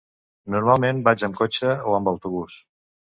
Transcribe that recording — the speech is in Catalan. Normalment vaig amb cotxe o amb autobús.